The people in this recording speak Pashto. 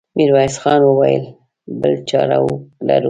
ميرويس خان وويل: بله چاره لرو؟